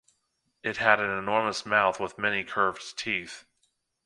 It had an enormous mouth with many curved teeth.